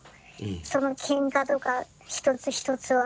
そのけんかとか一つ一つは。